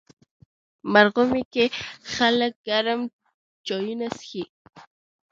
مرغومی کې خلک ګرم چایونه څښي.